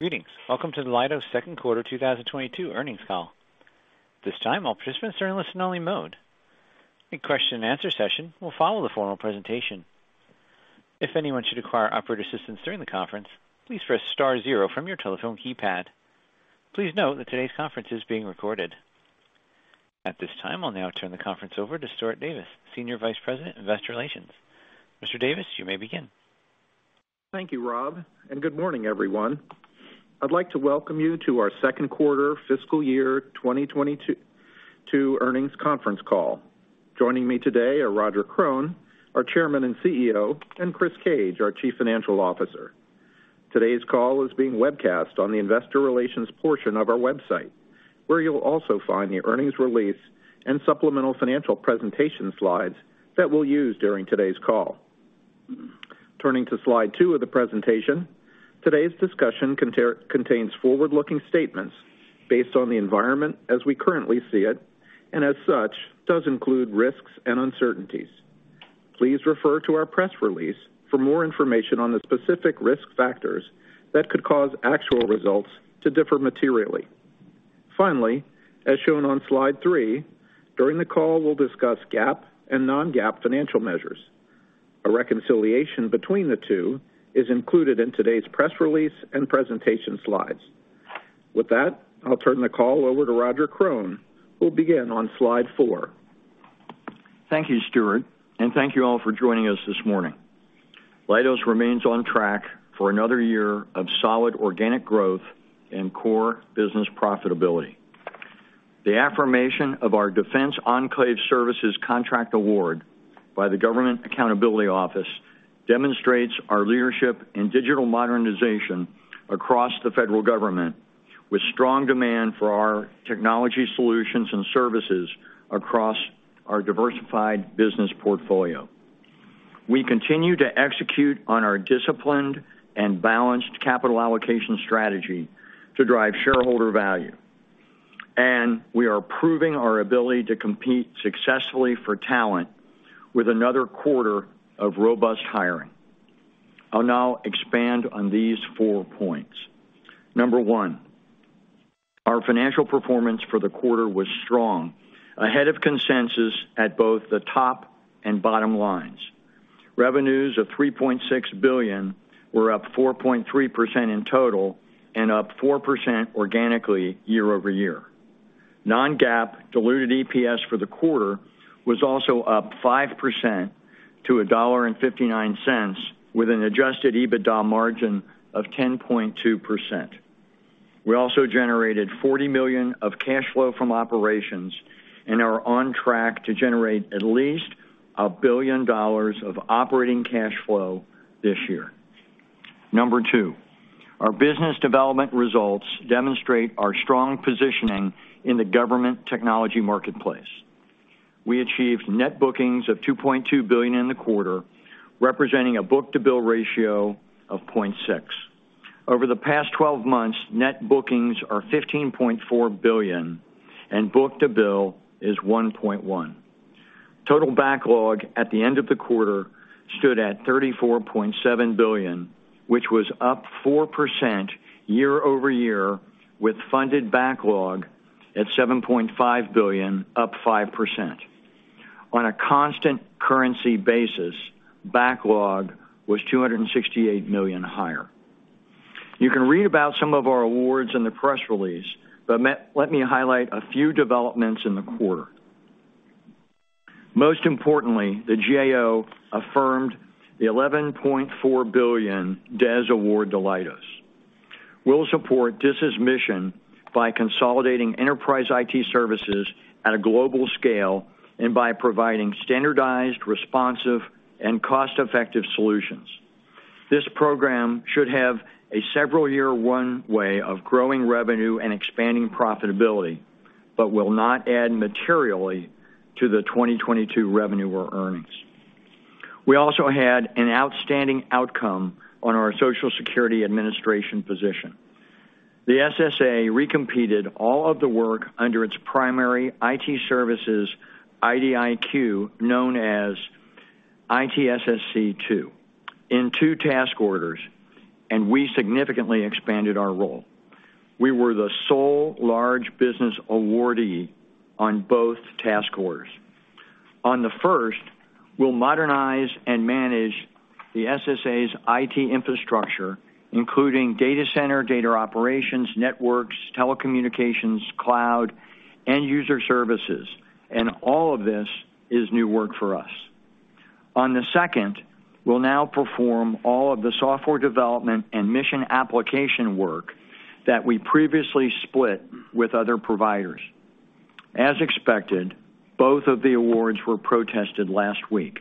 Greetings. Welcome to the Leidos' second quarter 2022 earnings call. This time, all participants are in listen-only mode. A question-and-answer session will follow the formal presentation. If anyone should require operator assistance during the conference, please press star zero from your telephone keypad. Please note that today's conference is being recorded. At this time, I'll now turn the conference over to Stuart Davis, Senior Vice President, Investor Relations. Mr. Davis, you may begin. Thank you, Rob, and good morning, everyone. I'd like to welcome you to our second quarter fiscal year 2022 earnings conference call. Joining me today are Roger Krone, our Chairman and CEO, and Chris Cage, our Chief Financial Officer. Today's call is being webcast on the investor relations portion of our website, where you'll also find the earnings release and supplemental financial presentation slides that we'll use during today's call. Turning to slide 2 of the presentation, today's discussion contains forward-looking statements based on the environment as we currently see it, and as such, does include risks and uncertainties. Please refer to our press release for more information on the specific risk factors that could cause actual results to differ materially. Finally, as shown on slide 3, during the call, we'll discuss GAAP and non-GAAP financial measures. A reconciliation between the two is included in today's press release and presentation slides. With that, I'll turn the call over to Roger Krone, who'll begin on slide four. Thank you, Stuart, and thank you all for joining us this morning. Leidos remains on track for another year of solid organic growth and core business profitability. The affirmation of our Defense Enclave Services contract award by the Government Accountability Office demonstrates our leadership in digital modernization across the federal government, with strong demand for our technology solutions and services across our diversified business portfolio. We continue to execute on our disciplined and balanced capital allocation strategy to drive shareholder value, and we are proving our ability to compete successfully for talent with another quarter of robust hiring. I'll now expand on these four points. Number one, our financial performance for the quarter was strong, ahead of consensus at both the top and bottom lines. Revenues of $3.6 billion were up 4.3% in total and up 4% organically year-over-year. Non-GAAP diluted EPS for the quarter was also up 5% to $1.59, with an adjusted EBITDA margin of 10.2%. We also generated $40 million of cash flow from operations and are on track to generate at least $1 billion of operating cash flow this year. Number two, our business development results demonstrate our strong positioning in the government technology marketplace. We achieved net bookings of $2.2 billion in the quarter, representing a book-to-bill ratio of 0.6. Over the past twelve months, net bookings are $15.4 billion, and book-to-bill is 1.1. Total backlog at the end of the quarter stood at $34.7 billion, which was up 4% year-over-year, with funded backlog at $7.5 billion, up 5%. On a constant currency basis, backlog was $268 million higher. You can read about some of our awards in the press release, but let me highlight a few developments in the quarter. Most importantly, the GAO affirmed the $11.4 billion DES award to Leidos. We'll support DISA's mission by consolidating enterprise IT services at a global scale and by providing standardized, responsive, and cost-effective solutions. This program should have a several-year runway of growing revenue and expanding profitability, but will not add materially to the 2022 revenue or earnings. We also had an outstanding outcome on our Social Security Administration position. The SSA recompeted all of the work under its primary IT services IDIQ, known as ITSSC II, in two task orders, and we significantly expanded our role. We were the sole large business awardee on both task orders. On the first, we'll modernize and manage the SSA's IT infrastructure, including data center, data operations, networks, telecommunications, cloud, and user services, and all of this is new work for us. On the second, we'll now perform all of the software development and mission application work that we previously split with other providers. As expected, both of the awards were protested last week.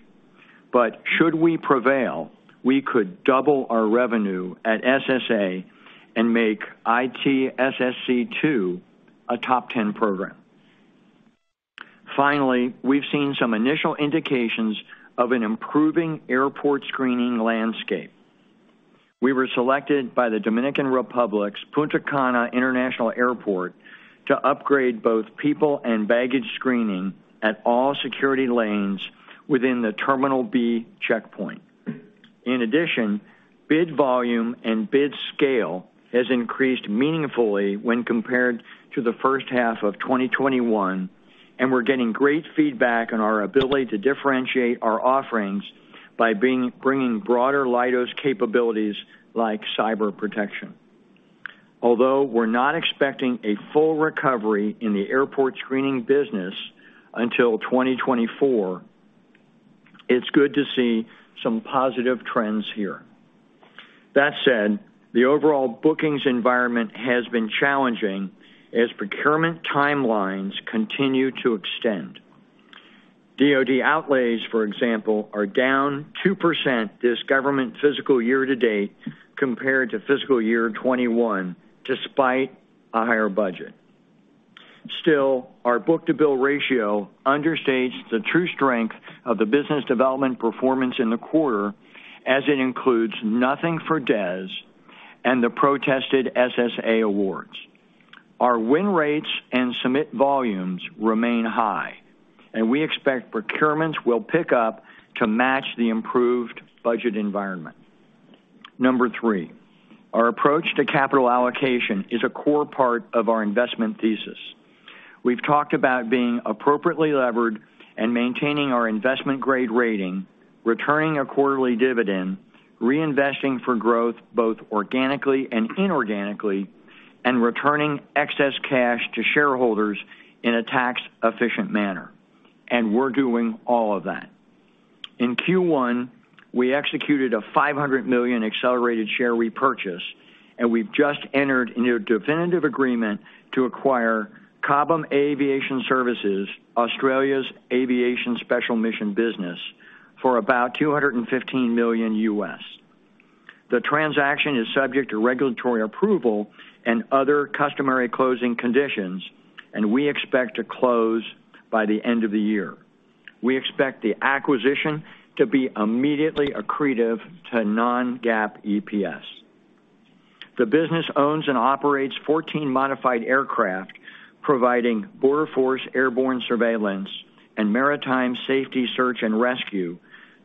Should we prevail, we could double our revenue at SSA and make ITSSC II a top ten program. Finally, we've seen some initial indications of an improving airport screening landscape. We were selected by the Dominican Republic's Punta Cana International Airport to upgrade both people and baggage screening at all security lanes within the Terminal B checkpoint. In addition, bid volume and bid scale has increased meaningfully when compared to the first half of 2021, and we're getting great feedback on our ability to differentiate our offerings by bringing broader Leidos capabilities like cyber protection. Although we're not expecting a full recovery in the airport screening business until 2024, it's good to see some positive trends here. That said, the overall bookings environment has been challenging as procurement timelines continue to extend. DoD outlays, for example, are down 2% this government fiscal year to date compared to fiscal year 2021, despite a higher budget. Still, our book-to-bill ratio understates the true strength of the business development performance in the quarter as it includes nothing for DES and the protested SSA awards. Our win rates and submit volumes remain high, and we expect procurements will pick up to match the improved budget environment. Number three, our approach to capital allocation is a core part of our investment thesis. We've talked about being appropriately levered and maintaining our investment-grade rating, returning a quarterly dividend, reinvesting for growth both organically and inorganically, and returning excess cash to shareholders in a tax-efficient manner. We're doing all of that. In Q1, we executed a $500 million accelerated share repurchase, and we've just entered into a definitive agreement to acquire Cobham Aviation Services Australia's Special Mission business for about $215 million. The transaction is subject to regulatory approval and other customary closing conditions, and we expect to close by the end of the year. We expect the acquisition to be immediately accretive to non-GAAP EPS. The business owns and operates 14 modified aircraft, providing Border Force airborne surveillance and maritime safety search and rescue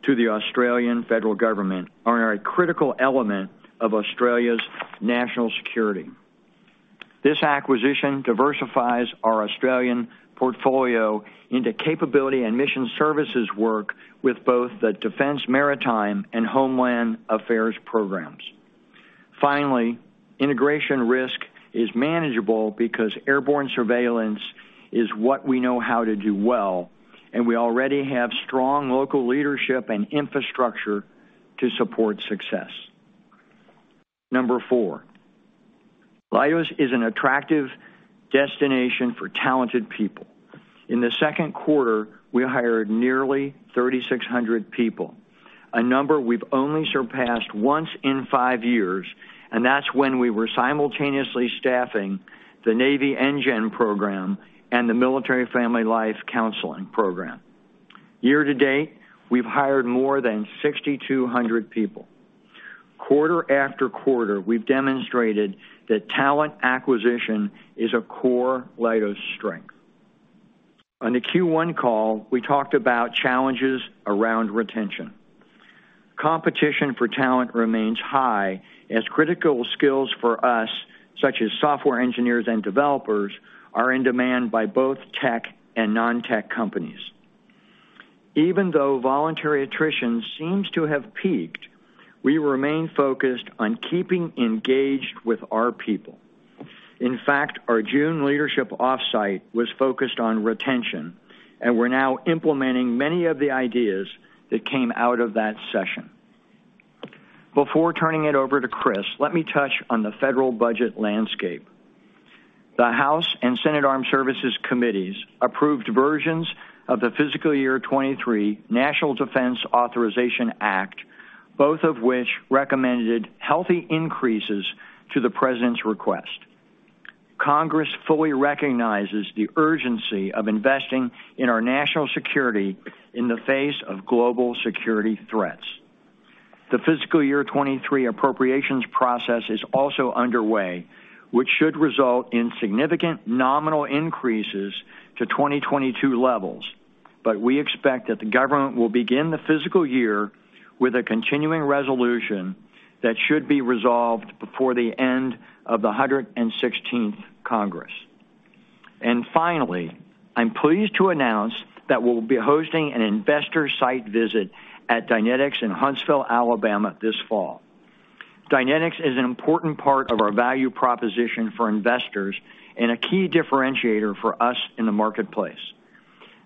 to the Australian Federal Government are a critical element of Australia's national security. This acquisition diversifies our Australian portfolio into capability and mission services work with both the Defense Maritime and Homeland Affairs programs. Finally, integration risk is manageable because airborne surveillance is what we know how to do well, and we already have strong local leadership and infrastructure to support success. Number four, Leidos is an attractive destination for talented people. In the second quarter, we hired nearly 3,600 people, a number we've only surpassed once in five years, and that's when we were simultaneously staffing the Navy NGEN program and the Military and Family Life Counseling program. Year to date, we've hired more than 6,200 people. Quarter after quarter, we've demonstrated that talent acquisition is a core Leidos strength. On the Q1 call, we talked about challenges around retention. Competition for talent remains high as critical skills for us, such as software engineers and developers, are in demand by both tech and non-tech companies. Even though voluntary attrition seems to have peaked, we remain focused on keeping engaged with our people. In fact, our June leadership offsite was focused on retention, and we're now implementing many of the ideas that came out of that session. Before turning it over to Chris, let me touch on the federal budget landscape. The House and Senate Armed Services Committees approved versions of the fiscal year 2023 National Defense Authorization Act, both of which recommended healthy increases to the president's request. Congress fully recognizes the urgency of investing in our national security in the face of global security threats. The fiscal year 2023 appropriations process is also underway, which should result in significant nominal increases to 2022 levels. We expect that the government will begin the fiscal year with a continuing resolution that should be resolved before the end of the 116th Congress. Finally, I'm pleased to announce that we'll be hosting an investor site visit at Dynetics in Huntsville, Alabama this fall. Dynetics is an important part of our value proposition for investors and a key differentiator for us in the marketplace.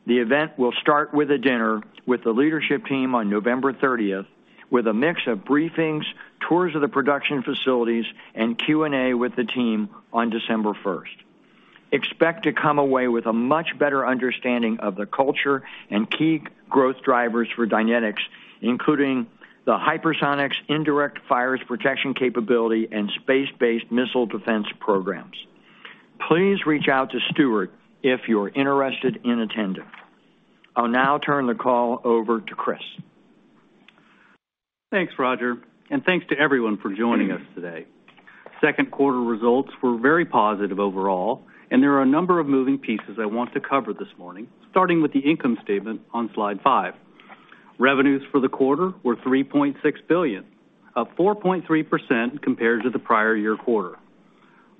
The event will start with a dinner with the leadership team on November 30, with a mix of briefings, tours of the production facilities, and Q&A with the team on December 1. Expect to come away with a much better understanding of the culture and key growth drivers for Dynetics, including the hypersonics, Indirect Fire Protection Capability, and space-based missile defense programs. Please reach out to Stuart if you're interested in attending. I'll now turn the call over to Chris. Thanks, Roger, and thanks to everyone for joining us today. Second quarter results were very positive overall. There are a number of moving pieces I want to cover this morning, starting with the income statement on slide 5. Revenues for the quarter were $3.6 billion, up 4.3% compared to the prior year quarter.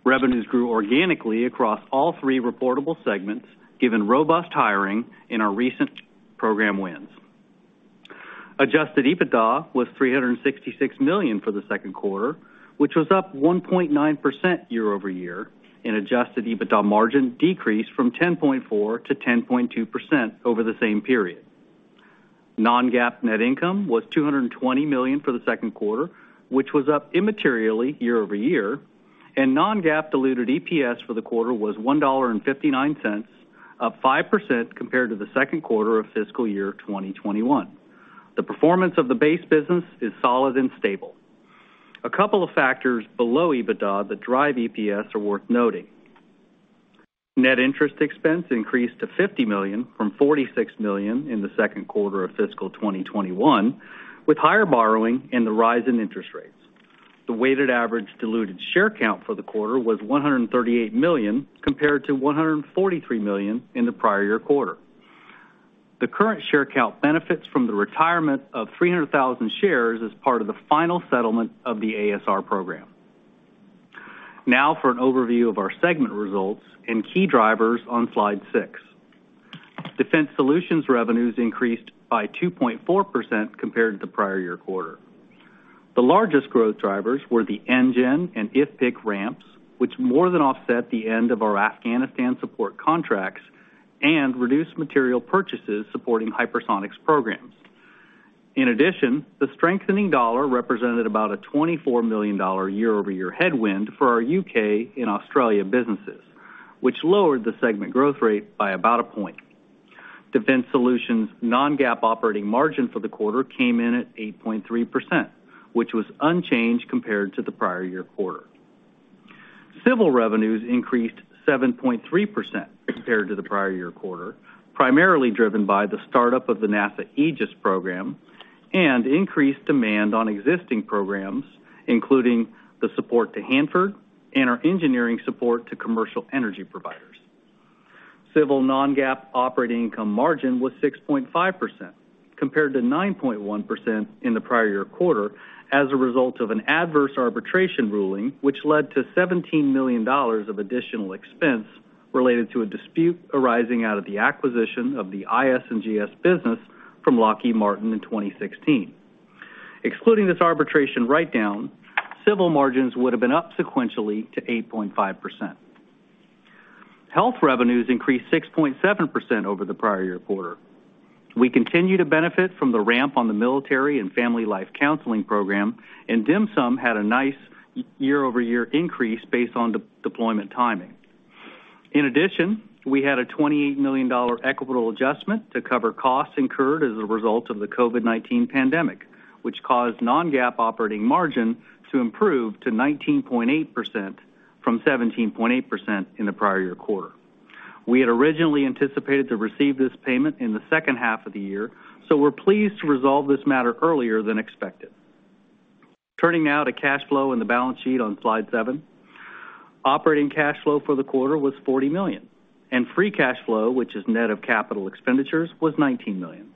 Revenues grew organically across all three reportable segments, given robust hiring in our recent program wins. Adjusted EBITDA was $366 million for the second quarter, which was up 1.9% year-over-year, and adjusted EBITDA margin decreased from 10.4% to 10.2% over the same period. Non-GAAP net income was $220 million for the second quarter, which was up immaterially year-over-year, and non-GAAP diluted EPS for the quarter was $1.59, up 5% compared to the second quarter of fiscal year 2021. The performance of the base business is solid and stable. A couple of factors below EBITDA that drive EPS are worth noting. Net interest expense increased to $50 million from $46 million in the second quarter of fiscal year 2021, with higher borrowing and the rise in interest rates. The weighted average diluted share count for the quarter was 138 million, compared to 143 million in the prior year quarter. The current share count benefits from the retirement of 300,000 shares as part of the final settlement of the ASR program. Now for an overview of our segment results and key drivers on slide six. Defense Solutions revenues increased by 2.4% compared to the prior year quarter. The largest growth drivers were the NGEN and IFPC ramps, which more than offset the end of our Afghanistan support contracts and reduced material purchases supporting hypersonics programs. In addition, the strengthening dollar represented about a $24 million year-over-year headwind for our U.K. and Australia businesses, which lowered the segment growth rate by about a point. Defense Solutions' non-GAAP operating margin for the quarter came in at 8.3%, which was unchanged compared to the prior year quarter. Civil revenues increased 7.3% compared to the prior year quarter, primarily driven by the startup of the NASA AEGIS program and increased demand on existing programs, including the support to Hanford and our engineering support to commercial energy providers. Civil non-GAAP operating income margin was 6.5% compared to 9.1% in the prior year quarter as a result of an adverse arbitration ruling, which led to $17 million of additional expense related to a dispute arising out of the acquisition of the IS&GS business from Lockheed Martin in 2016. Excluding this arbitration write-down, civil margins would have been up sequentially to 8.5%. Health revenues increased 6.7% over the prior year quarter. We continue to benefit from the ramp on the Military and Family Life Counseling program, and DHMSM had a nice year-over-year increase based on de-obligation timing. In addition, we had a $28 million equitable adjustment to cover costs incurred as a result of the COVID-19 pandemic, which caused non-GAAP operating margin to improve to 19.8% from 17.8% in the prior year quarter. We had originally anticipated to receive this payment in the second half of the year, so we're pleased to resolve this matter earlier than expected. Turning now to cash flow and the balance sheet on slide 7. Operating cash flow for the quarter was $40 million, and free cash flow, which is net of capital expenditures, was $19 million.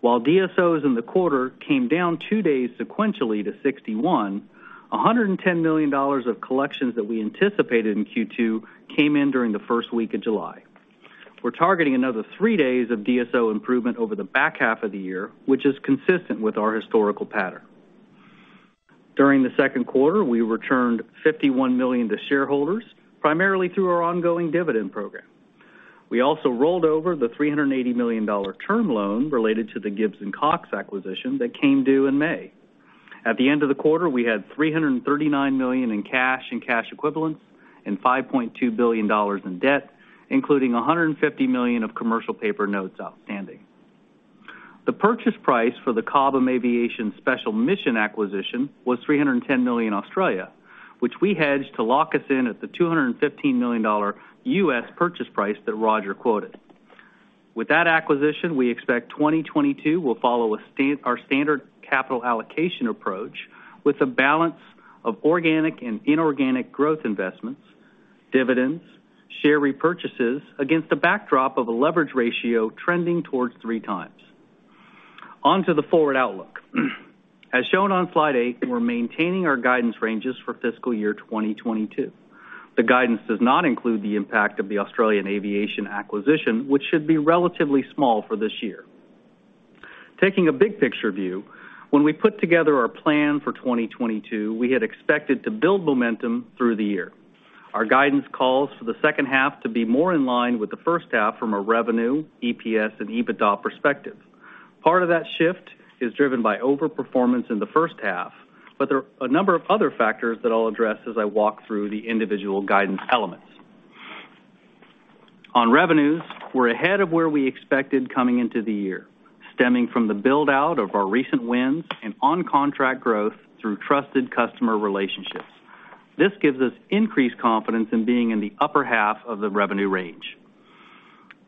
While DSOs in the quarter came down two days sequentially to 61, $110 million of collections that we anticipated in Q2 came in during the first week of July. We're targeting another three days of DSO improvement over the back half of the year, which is consistent with our historical pattern. During the second quarter, we returned $51 million to shareholders, primarily through our ongoing dividend program. We also rolled over the $380 million dollar term loan related to the Gibbs & Cox acquisition that came due in May. At the end of the quarter, we had $339 million in cash and cash equivalents and $5.2 billion in debt, including $150 million of commercial paper notes outstanding. The purchase price for the Cobham Aviation Special Mission acquisition was 310 million, which we hedged to lock us in at the $215 million US purchase price that Roger quoted. With that acquisition, we expect 2022 will follow our standard capital allocation approach with a balance of organic and inorganic growth investments, dividends, share repurchases against the backdrop of a leverage ratio trending towards 3x. On to the forward outlook. As shown on slide 8, we're maintaining our guidance ranges for fiscal year 2022. The guidance does not include the impact of the Australian Aviation acquisition, which should be relatively small for this year. Taking a big picture view, when we put together our plan for 2022, we had expected to build momentum through the year. Our guidance calls for the second half to be more in line with the first half from a revenue, EPS, and EBITDA perspective. Part of that shift is driven by overperformance in the first half, but there are a number of other factors that I'll address as I walk through the individual guidance elements. On revenues, we're ahead of where we expected coming into the year, stemming from the build-out of our recent wins and on-contract growth through trusted customer relationships. This gives us increased confidence in being in the upper half of the revenue range.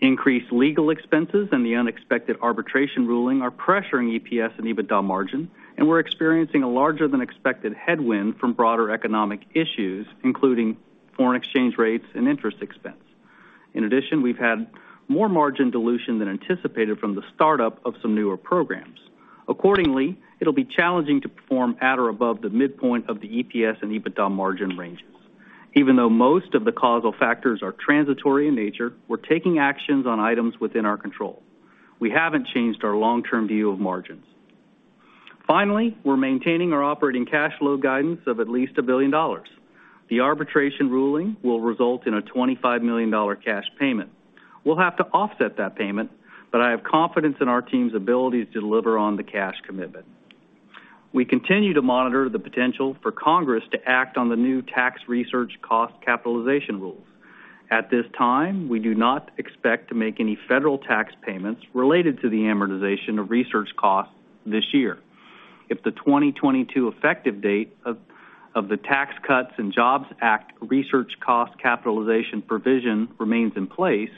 Increased legal expenses and the unexpected arbitration ruling are pressuring EPS and EBITDA margin, and we're experiencing a larger than expected headwind from broader economic issues, including foreign exchange rates and interest expense. In addition, we've had more margin dilution than anticipated from the startup of some newer programs. Accordingly, it'll be challenging to perform at or above the midpoint of the EPS and EBITDA margin ranges. Even though most of the causal factors are transitory in nature, we're taking actions on items within our control. We haven't changed our long-term view of margins. Finally, we're maintaining our operating cash flow guidance of at least $1 billion. The arbitration ruling will result in a $25 million cash payment. We'll have to offset that payment, but I have confidence in our team's ability to deliver on the cash commitment. We continue to monitor the potential for Congress to act on the new tax research cost capitalization rules. At this time, we do not expect to make any federal tax payments related to the amortization of research costs this year. If the 2022 effective date of the Tax Cuts and Jobs Act research cost capitalization provision remains in place,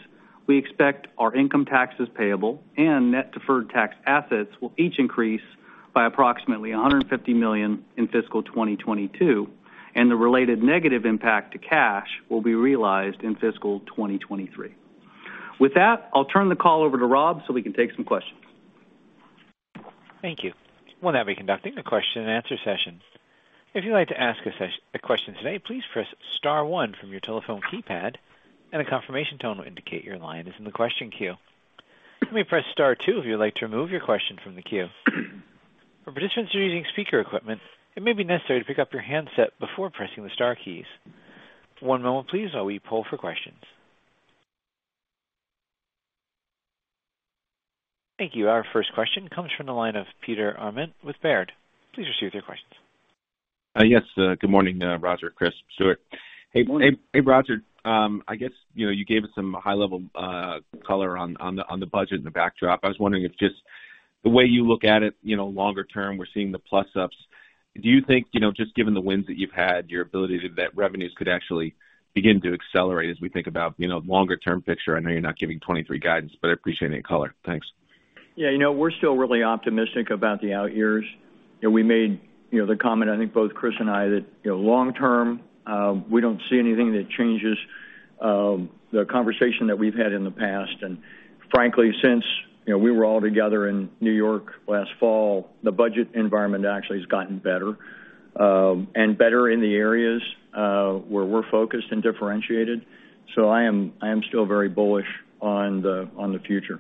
we expect our income taxes payable and net deferred tax assets will each increase by approximately $150 million in fiscal 2022, and the related negative impact to cash will be realized in fiscal 2023. With that, I'll turn the call over to Rob so we can take some questions. Thank you. We'll now be conducting a question-and-answer session. If you'd like to ask a question today, please press star one from your telephone keypad and a confirmation tone will indicate your line is in the question queue. You may press star two if you would like to remove your question from the queue. For participants who are using speaker equipment, it may be necessary to pick up your handset before pressing the star keys. One moment please while we poll for questions. Thank you. Our first question comes from the line of Peter Arment with Baird. Please proceed with your questions. Yes, good morning, Roger, Chris, Stuart. Good morning. Hey, hey, Roger. I guess, you know, you gave us some high-level color on the budget and the backdrop. I was wondering if just the way you look at it, you know, longer term, we're seeing the plus ups. Do you think, you know, just given the wins that you've had, your ability to net revenues could actually begin to accelerate as we think about, you know, longer-term picture? I know you're not giving 2023 guidance, but I appreciate any color. Thanks. Yeah, you know, we're still really optimistic about the out years. You know, we made, you know, the comment, I think both Chris and I, that, you know, long term, we don't see anything that changes the conversation that we've had in the past. Frankly, since, you know, we were all together in New York last fall, the budget environment actually has gotten better, and better in the areas where we're focused and differentiated. I am still very bullish on the future.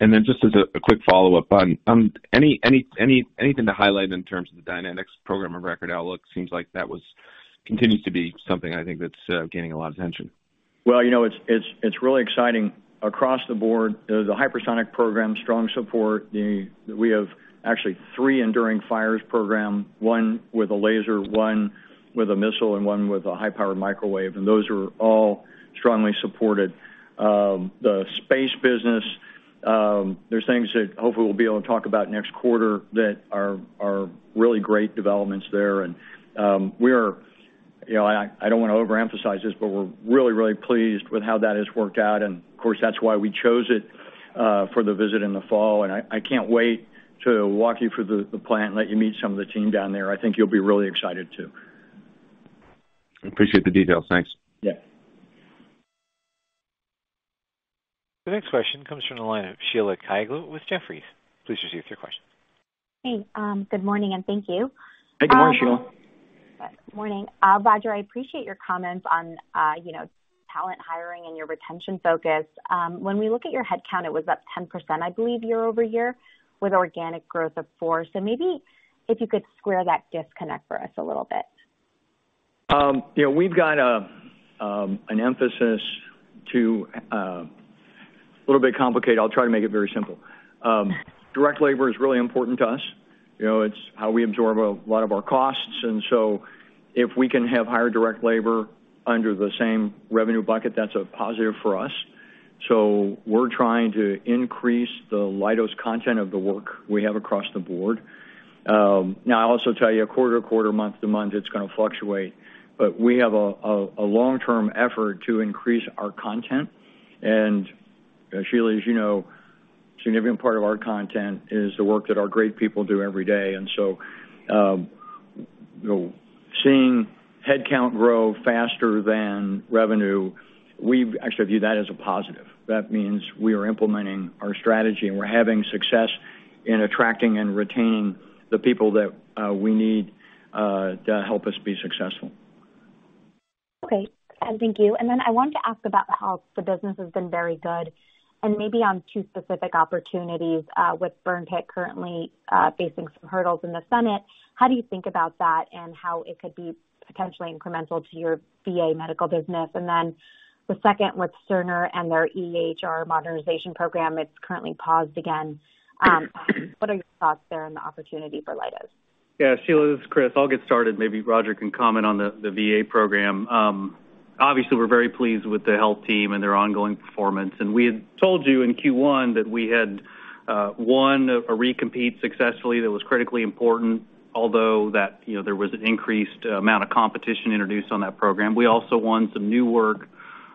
Just as a quick follow-up on anything to highlight in terms of the Dynetics program of record outlook? Seems like that continues to be something I think that's gaining a lot of attention. Well, you know, it's really exciting across the board. The hypersonic program, strong support. We have actually three enduring fires program, one with a laser, one with a missile, and one with a high-powered microwave, and those are all strongly supported. The space business, there's things that hopefully we'll be able to talk about next quarter that are really great developments there. We are, you know, I don't wanna overemphasize this, but we're really, really pleased with how that has worked out. Of course, that's why we chose it for the visit in the fall. I can't wait to walk you through the plant and let you meet some of the team down there. I think you'll be really excited too. Appreciate the details. Thanks. Yeah. The next question comes from the line of Sheila Kahyaoglu with Jefferies. Please receive your question. Hey, good morning, and thank you. Hey, good morning, Sheila. Morning. Roger, I appreciate your comments on, you know, talent hiring and your retention focus. When we look at your headcount, it was up 10%, I believe, year-over-year, with organic growth of 4%. Maybe if you could square that disconnect for us a little bit. You know, it's a little bit complicated. I'll try to make it very simple. Direct labor is really important to us. You know, it's how we absorb a lot of our costs. If we can have higher direct labor under the same revenue bucket, that's a positive for us. We're trying to increase the Leidos content of the work we have across the board. Now, I'll also tell you quarter to quarter, month to month, it's gonna fluctuate. We have a long-term effort to increase our content. Sheila, as you know, a significant part of our content is the work that our great people do every day. You know, seeing headcount grow faster than revenue, we actually view that as a positive. That means we are implementing our strategy, and we're having success in attracting and retaining the people that we need to help us be successful. Okay. Thank you. I wanted to ask about how the business has been very good and maybe on two specific opportunities, with burn pits currently facing some hurdles in the Senate. How do you think about that and how it could be potentially incremental to your VA medical business? The second with Cerner and their EHR modernization program, it's currently paused again. What are your thoughts there on the opportunity for Leidos? Yeah. Sheila, this is Chris. I'll get started. Maybe Roger can comment on the VA program. Obviously, we're very pleased with the health team and their ongoing performance. We had told you in Q1 that we had won a recompete successfully that was critically important, although that, you know, there was an increased amount of competition introduced on that program. We also won some new work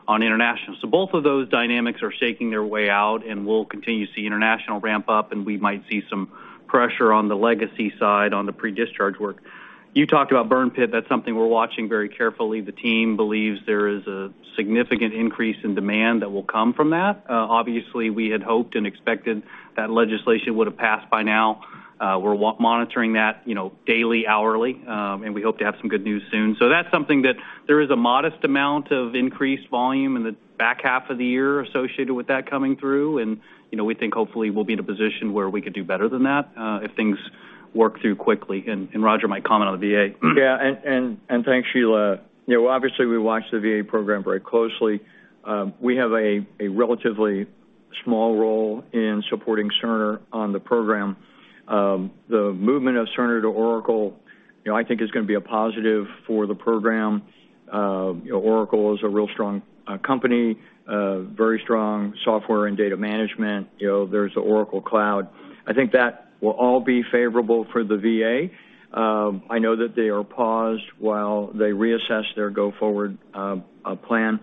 on international. Both of those dynamics are shaking their way out, and we'll continue to see international ramp up, and we might see some pressure on the legacy side on the pre-discharge work. You talked about burn pit. That's something we're watching very carefully. The team believes there is a significant increase in demand that will come from that. Obviously, we had hoped and expected that legislation would have passed by now. We're monitoring that, you know, daily, hourly, and we hope to have some good news soon. That's something that there is a modest amount of increased volume in the back half of the year associated with that coming through. You know, we think hopefully we'll be in a position where we could do better than that, if things work through quickly. Roger might comment on the VA. Yeah. Thanks, Sheila. You know, obviously, we watch the VA program very closely. We have a relatively small role in supporting Cerner on the program. The movement of Cerner to Oracle, you know, I think is gonna be a positive for the program. You know, Oracle is a real strong company, very strong software and data management. You know, there's the Oracle Cloud. I think that will all be favorable for the VA. I know that they are paused while they reassess their go-forward plan.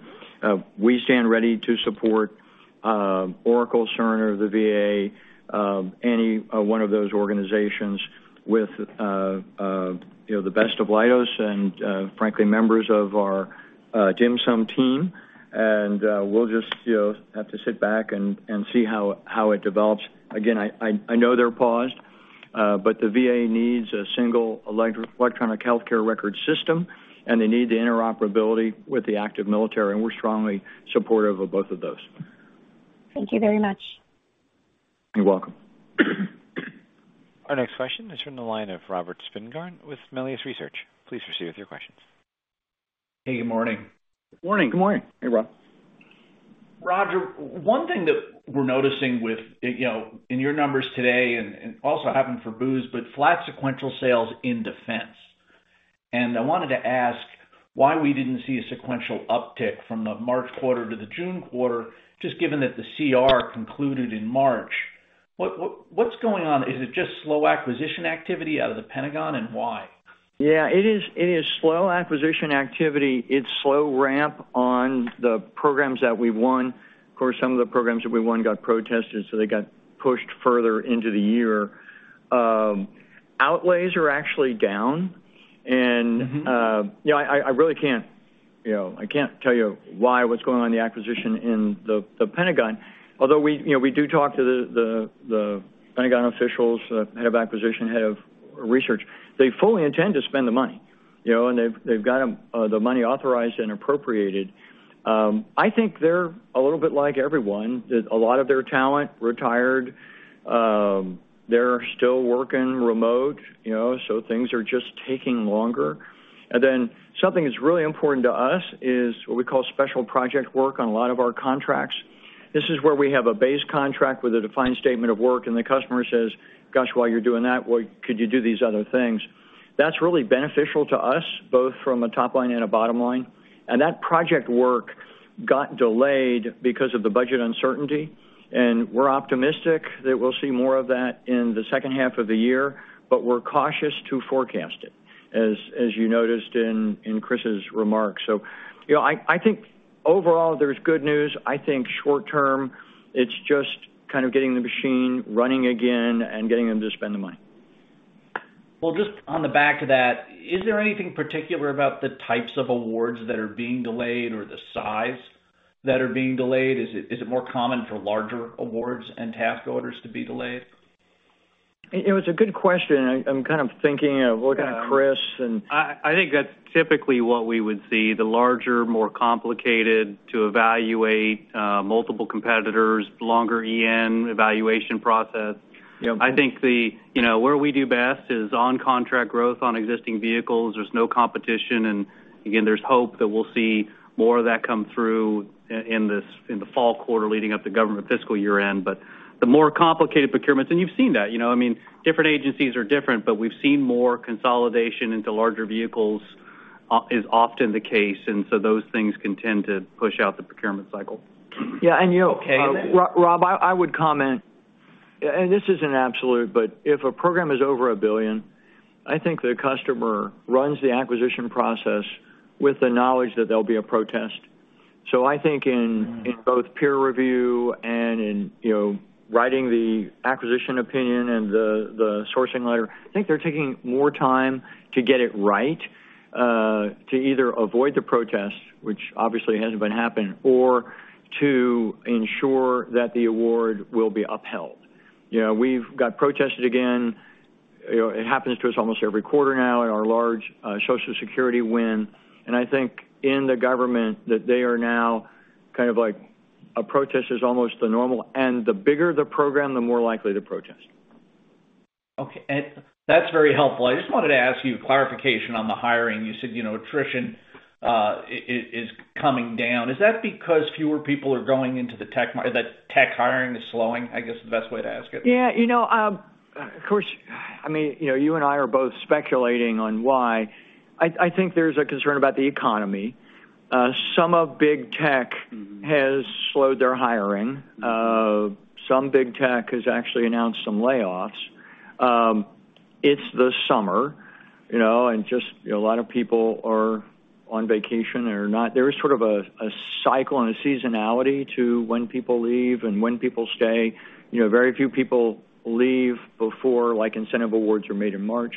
We stand ready to support Oracle, Cerner, the VA, any one of those organizations with, you know, the best of Leidos and, frankly, members of our DHMSM team. We'll just, you know, have to sit back and see how it develops. Again, I know they're paused, but the VA needs a single electronic healthcare record system, and they need the interoperability with the active military, and we're strongly supportive of both of those. Thank you very much. You're welcome. Our next question is from the line of Robert Spingarn with Melius Research. Please proceed with your questions. Hey, good morning. Morning. Good morning. Hey, Rob. Roger, one thing that we're noticing with, you know, in your numbers today and also happened for Booz, but flat sequential sales in defense. I wanted to ask why we didn't see a sequential uptick from the March quarter to the June quarter, just given that the CR concluded in March. What's going on? Is it just slow acquisition activity out of the Pentagon, and why? Yeah, it is slow acquisition activity. It's slow ramp on the programs that we won. Of course, some of the programs that we won got protested, so they got pushed further into the year. Outlays are actually down. Mm-hmm. I really can't tell you why, what's going on in the acquisition in the Pentagon. Although we do talk to the Pentagon officials, head of acquisition, head of research. They fully intend to spend the money, you know, and they've got the money authorized and appropriated. I think they're a little bit like everyone, that a lot of their talent retired. They're still working remote, you know, so things are just taking longer. Something that's really important to us is what we call special project work on a lot of our contracts. This is where we have a base contract with a defined statement of work, and the customer says, "Gosh, while you're doing that, well, could you do these other things?" That's really beneficial to us, both from a top line and a bottom line. That project work got delayed because of the budget uncertainty, and we're optimistic that we'll see more of that in the second half of the year, but we're cautious to forecast it, as you noticed in Chris's remarks. You know, I think overall there's good news. I think short term, it's just kind of getting the machine running again and getting them to spend the money. Well, just on the back of that, is there anything particular about the types of awards that are being delayed or the size that are being delayed? Is it more common for larger awards and task orders to be delayed? It's a good question, and I'm kind of thinking of looking at Chris. I think that's typically what we would see, the larger, more complicated to evaluate, multiple competitors, longer EN evaluation process. Yep. I think you know, where we do best is on contract growth on existing vehicles. There's no competition. Again, there's hope that we'll see more of that come through in this, in the fall quarter leading up to government fiscal year-end. The more complicated procurements, and you've seen that, you know. I mean, different agencies are different, but we've seen more consolidation into larger vehicles is often the case, and so those things can tend to push out the procurement cycle. Yeah. You know. Okay. Rob, I would comment, and this isn't absolute, but if a program is over $1 billion, I think the customer runs the acquisition process with the knowledge that there'll be a protest. I think in- Mm-hmm. In both peer review and in, you know, writing the acquisition opinion and the sourcing letter, I think they're taking more time to get it right, to either avoid the protest, which obviously hasn't been happening, or to ensure that the award will be upheld. You know, we've got protested again. You know, it happens to us almost every quarter now in our large Social Security win. I think in the government that they are now kind of like a protest is almost the normal. The bigger the program, the more likely to protest. Okay. That's very helpful. I just wanted to ask for clarification on the hiring. You said, you know, attrition is coming down. Is that because fewer people are going into the tech market, the tech hiring is slowing, I guess, the best way to ask it? Yeah. You know, of course, I mean, you know, you and I are both speculating on why. I think there's a concern about the economy. Some of Big Tech. Mm-hmm. has slowed their hiring. Some Big Tech has actually announced some layoffs. It's the summer, you know, and just a lot of people are on vacation. There is sort of a cycle and a seasonality to when people leave and when people stay. You know, very few people leave before, like, incentive awards are made in March.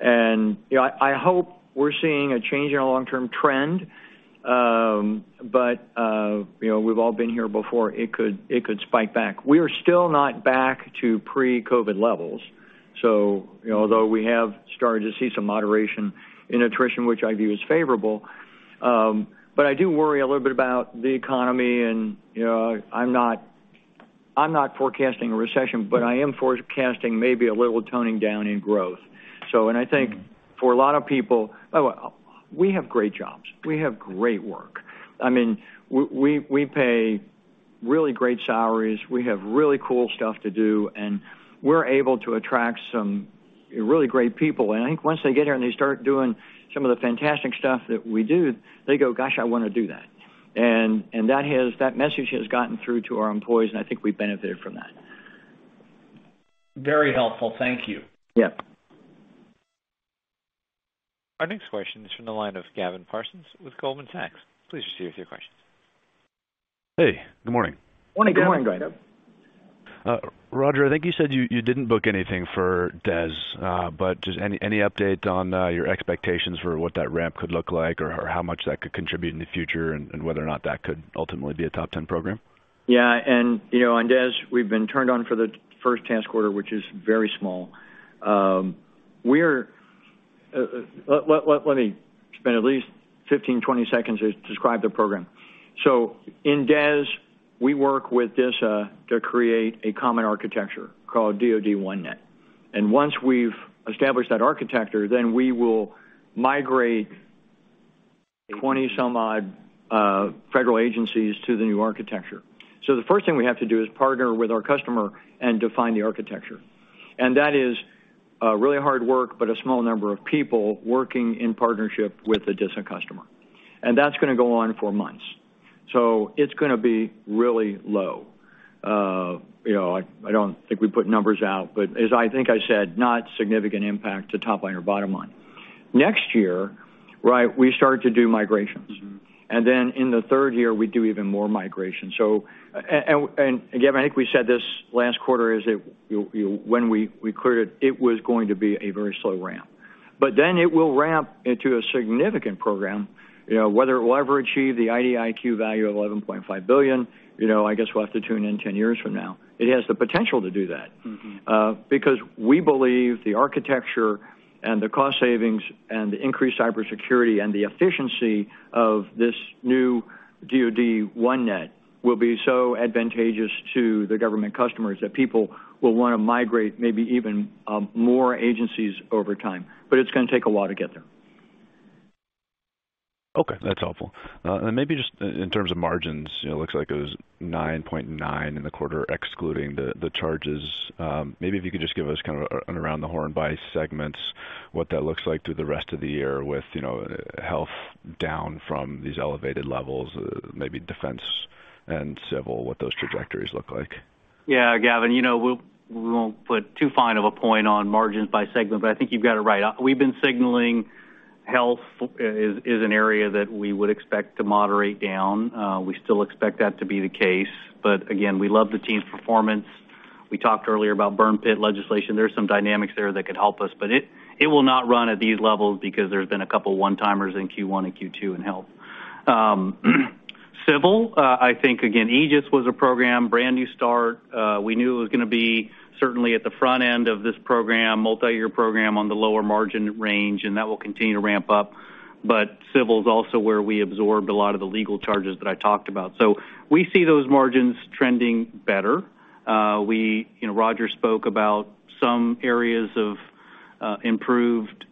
You know, I hope we're seeing a change in our long-term trend, but you know, we've all been here before. It could spike back. We are still not back to pre-COVID levels. You know, although we have started to see some moderation in attrition, which I view as favorable, but I do worry a little bit about the economy and, you know, I'm not forecasting a recession, but I am forecasting maybe a little toning down in growth. I think for a lot of people. By the way, we have great jobs. We have great work. I mean, we pay really great salaries. We have really cool stuff to do, and we're able to attract some really great people. I think once they get here and they start doing some of the fantastic stuff that we do, they go, "Gosh, I wanna do that." That message has gotten through to our employees, and I think we've benefited from that. Very helpful. Thank you. Yeah. Our next question is from the line of Gavin Parsons with Goldman Sachs. Please proceed with your questions. Hey, good morning. Morning, Gavin. Good morning. Roger, I think you said you didn't book anything for DES, but just any update on your expectations for what that ramp could look like or how much that could contribute in the future and whether or not that could ultimately be a top ten program? Yeah. You know, on DES, we've been turned on for the first task order, which is very small. Let me spend at least 15, 20 seconds to describe the program. In DES, we work with DISA to create a common architecture called DoDNet. Once we've established that architecture, then we will migrate 20-some odd federal agencies to the new architecture. The first thing we have to do is partner with our customer and define the architecture. That is really hard work, but a small number of people working in partnership with a DISA customer, and that's gonna go on for months. It's gonna be really low. You know, I don't think we put numbers out, but as I think I said, not significant impact to top line or bottom line. Next year, right, we start to do migrations. Mm-hmm. In the third year, we do even more migrations. Again, I think we said this last quarter that you'll, when we cleared it was going to be a very slow ramp. It will ramp into a significant program. You know, whether it will ever achieve the IDIQ value of $11.5 billion, you know, I guess we'll have to tune in 10 years from now. It has the potential to do that. Mm-hmm. Because we believe the architecture and the cost savings and the increased cybersecurity and the efficiency of this new DoDNet will be so advantageous to the government customers that people will wanna migrate maybe even more agencies over time. It's gonna take a while to get there. Okay, that's helpful. Maybe just in terms of margins, you know, it looks like it was 9.9% in the quarter, excluding the charges. Maybe if you could just give us kind of an around the horn by segments, what that looks like through the rest of the year with, you know, health down from these elevated levels, maybe defense and civil, what those trajectories look like. Yeah. Gavin, you know, we'll, we won't put too fine of a point on margins by segment, but I think you've got it right. We've been signaling health is an area that we would expect to moderate down. We still expect that to be the case. Again, we love the team's performance. We talked earlier about burn pit legislation. There's some dynamics there that could help us, but it will not run at these levels because there's been a couple one-timers in Q1 and Q2 in health. Civil, I think again, AEGIS was a program, brand new start. We knew it was gonna be certainly at the front end of this program, multi-year program on the lower margin range, and that will continue to ramp up. Civil is also where we absorbed a lot of the legal charges that I talked about. We see those margins trending better. We, you know, Roger spoke about some areas of improved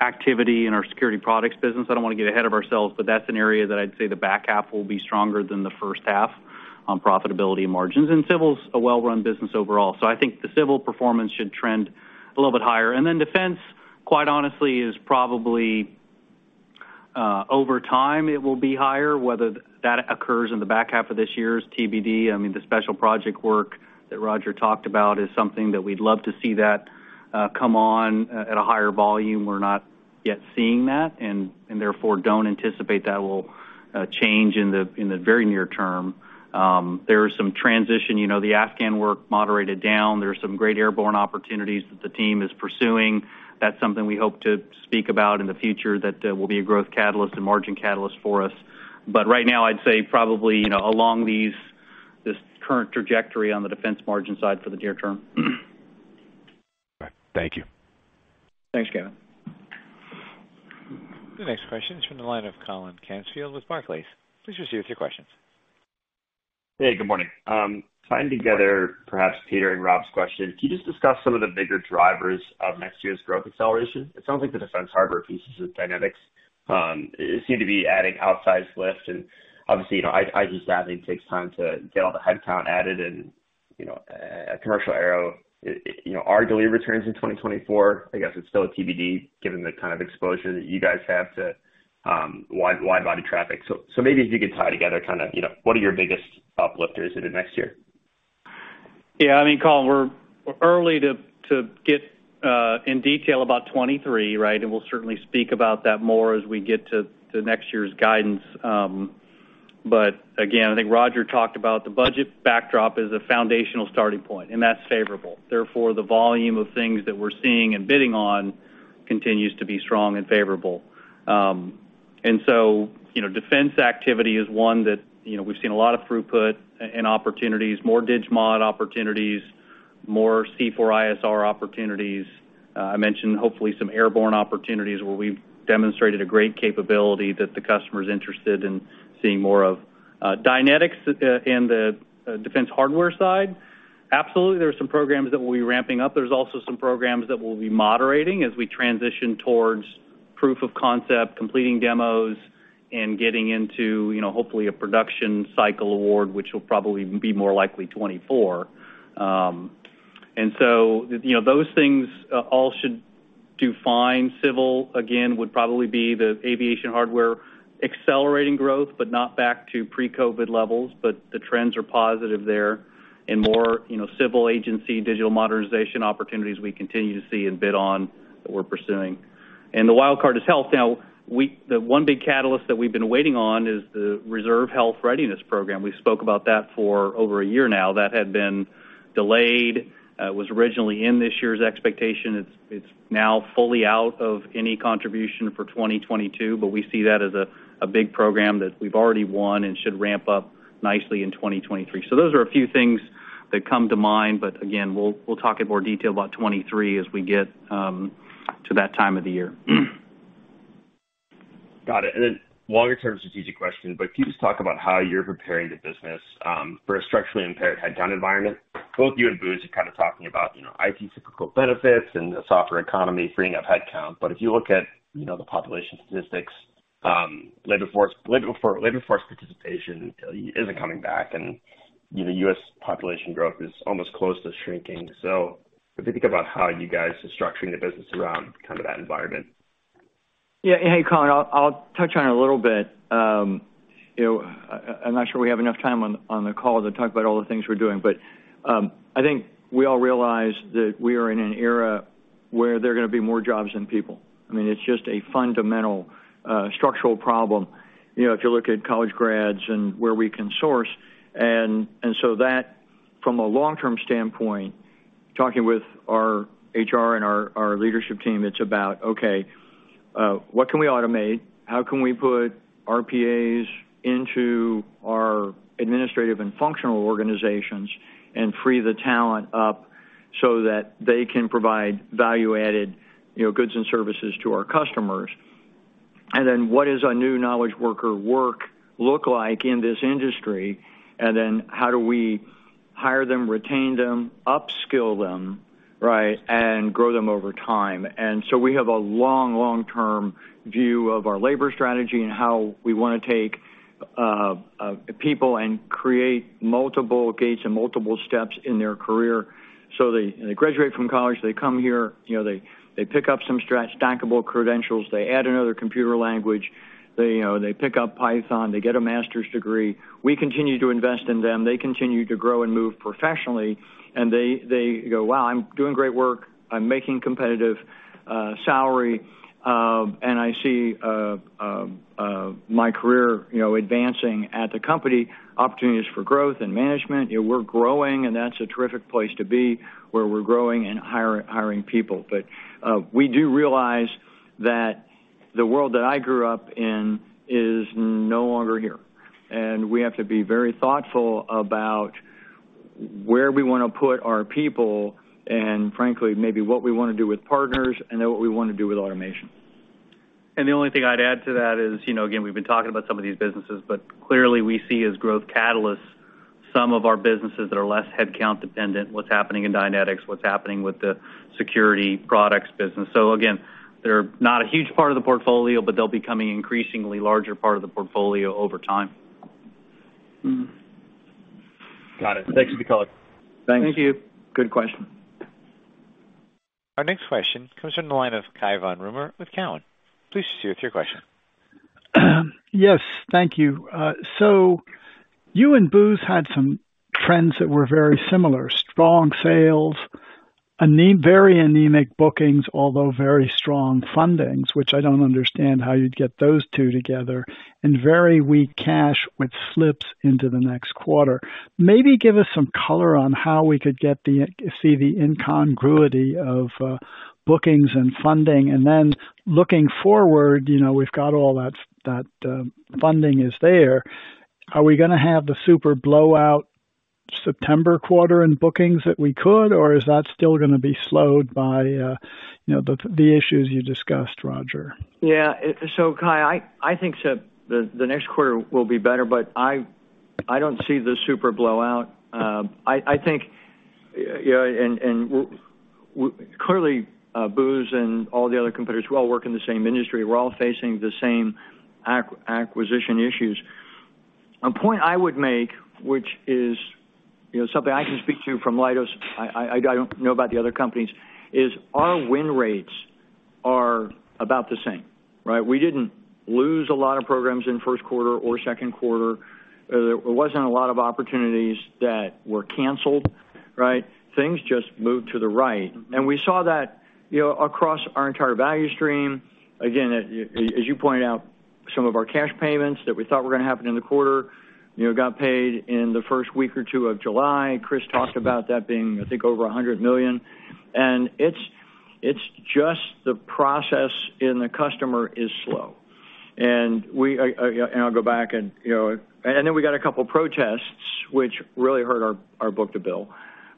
activity in our security products business. I don't wanna get ahead of ourselves, but that's an area that I'd say the back half will be stronger than the first half on profitability and margins. Civil's a well-run business overall. I think the civil performance should trend a little bit higher. Then defense, quite honestly, is probably over time, it will be higher. Whether that occurs in the back half of this year is TBD. I mean, the special project work that Roger talked about is something that we'd love to see that come on at a higher volume. We're not yet seeing that and therefore don't anticipate that will change in the very near term. There is some transition. You know, the Afghan work moderated down. There's some great airborne opportunities that the team is pursuing. That's something we hope to speak about in the future that will be a growth catalyst and margin catalyst for us. Right now, I'd say probably, you know, along this current trajectory on the defense margin side for the near term. All right. Thank you. Thanks, Gavin. The next question is from the line of Colin Canfield with Barclays. Please proceed with your questions. Hey, good morning. Good morning. Tying together perhaps Peter and Rob's question, can you just discuss some of the bigger drivers of next year's growth acceleration? It sounds like the defense hardware pieces with Dynetics seem to be adding outsized lift. Obviously, you know, DISA, I think, takes time to get all the headcount added and, you know, commercial aero, you know, are delayed returns in 2024. I guess it's still a TBD given the kind of exposure that you guys have to wide body traffic. Maybe if you could tie together kinda, you know, what are your biggest uplifters into next year? Yeah, I mean, Colin, we're early to get in detail about 2023, right? We'll certainly speak about that more as we get to next year's guidance. Again, I think Roger talked about the budget backdrop as a foundational starting point, and that's favorable. Therefore, the volume of things that we're seeing and bidding on continues to be strong and favorable. You know, defense activity is one that, you know, we've seen a lot of throughput and opportunities, more DigMod opportunities, more C4ISR opportunities. I mentioned hopefully some airborne opportunities where we've demonstrated a great capability that the customer is interested in seeing more of. Dynetics in the defense hardware side, absolutely, there are some programs that we'll be ramping up. There's also some programs that we'll be moderating as we transition towards proof of concept, completing demos, and getting into, you know, hopefully a production cycle award, which will probably be more likely 2024. You know, those things all should do fine. Civil, again, would probably be the aviation hardware accelerating growth, but not back to pre-COVID levels. The trends are positive there and more, you know, civil agency digital modernization opportunities we continue to see and bid on that we're pursuing. The wild card is health. Now, the one big catalyst that we've been waiting on is the Reserve Health Readiness Program. We spoke about that for over a year now. That had been delayed, was originally in this year's expectation. It's now fully out of any contribution for 2022, but we see that as a big program that we've already won and should ramp up nicely in 2023. Those are a few things that come to mind, but again, we'll talk in more detail about 2023 as we get to that time of the year. Got it. longer term strategic question, but can you just talk about how you're preparing the business for a structurally impaired headcount environment? Both you and Booz are kind of talking about, you know, IT cyclical benefits and the software economy freeing up headcount. If you look at, you know, the population statistics, labor force participation isn't coming back and, you know, U.S. population growth is almost close to shrinking. If you think about how you guys are structuring the business around kind of that environment. Yeah. Hey, Colin, I'll touch on it a little bit. You know, I'm not sure we have enough time on the call to talk about all the things we're doing, but I think we all realize that we are in an era where there are gonna be more jobs than people. I mean, it's just a fundamental structural problem, you know, if you look at college grads and where we can source. And so that from a long-term standpoint, talking with our HR and our leadership team, it's about, okay, what can we automate? How can we put RPAs into our administrative and functional organizations and free the talent up so that they can provide value-added, you know, goods and services to our customers? And then what is our new knowledge worker work look like in this industry? How do we hire them, retain them, upskill them, right, and grow them over time? We have a long, long-term view of our labor strategy and how we wanna take people and create multiple gates and multiple steps in their career. They graduate from college, they come here, you know, they pick up some stackable credentials. They add another computer language. They, you know, they pick up Python. They get a master's degree. We continue to invest in them. They continue to grow and move professionally, and they go, "Wow, I'm doing great work. I'm making competitive salary, and I see my career, you know, advancing at the company, opportunities for growth and management." You know, we're growing, and that's a terrific place to be, where we're growing and hiring people. we do realize that the world that I grew up in is no longer here, and we have to be very thoughtful about where we wanna put our people and frankly, maybe what we wanna do with partners and then what we wanna do with automation. The only thing I'd add to that is, you know, again, we've been talking about some of these businesses, but clearly we see as growth catalysts some of our businesses that are less headcount dependent, what's happening in Dynetics, what's happening with the security products business. Again, they're not a huge part of the portfolio, but they'll be becoming an increasingly larger part of the portfolio over time. Mm-hmm. Got it. Thanks for the color. Thanks. Thank you. Good question. Our next question comes from the line of Cai von Rumohr with Cowen. Please proceed with your question. Yes. Thank you. So you and Booz had some trends that were very similar. Strong sales, very anemic bookings, although very strong fundings, which I don't understand how you'd get those two together, and very weak cash, which slips into the next quarter. Maybe give us some color on how we could get to see the incongruity of bookings and funding. Looking forward, you know, we've got all that funding is there. Are we gonna have the super blowout September quarter in bookings that we could, or is that still gonna be slowed by the issues you discussed, Roger? Yeah. Cai, I think the next quarter will be better, but I don't see the super blowout. I think, you know, and we clearly, Booz and all the other competitors, we all work in the same industry. We're all facing the same acquisition issues. A point I would make, which is, you know, something I can speak to from Leidos. I don't know about the other companies, is our win rates are about the same, right? We didn't lose a lot of programs in first quarter or second quarter. There wasn't a lot of opportunities that were canceled, right? Things just moved to the right, and we saw that, you know, across our entire value stream. Again, as you pointed out, some of our cash payments that we thought were gonna happen in the quarter, you know, got paid in the first week or two of July. Chris talked about that being, I think, over $100 million. It's just the process with the customer is slow. Then we got a couple protests, which really hurt our book-to-bill.